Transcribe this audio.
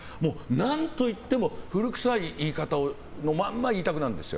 何といっても古臭い言い方のまま言いたくなるんです。